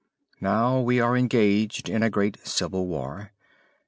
Now we are engaged in a great civil war.